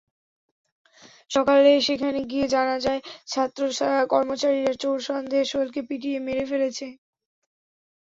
সকালে সেখানে গিয়ে জানা যায়, ছাত্র-কর্মচারীরা চোর সন্দেহে সোহেলকে পিটিয়ে মেরে ফেলেছেন।